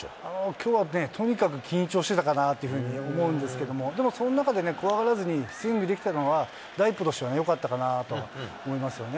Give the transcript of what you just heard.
きょうはとにかく緊張してたかなと思うんですけども、でもその中で、怖がらずにスイングできたのは、ライトとしてはよかったかなと思いますね。